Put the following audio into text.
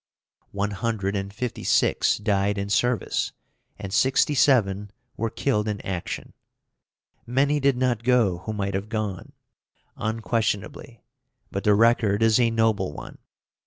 One hundred and fifty six died in service, and 67 were killed in action. Many did not go who might have gone, unquestionably, but the record is a noble one.